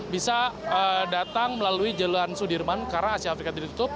bisa datang melalui jalan sudirman karena asia afrika tidak ditutup